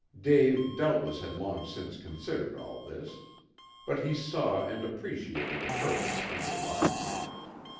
Dave doubtless had long since considered all this. But he saw and appreciated the purpose underlying it.